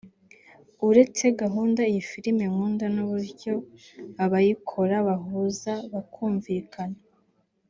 uretse gukunda iyi filime nkunda n’uburyo abayikora bahuza bakumvikana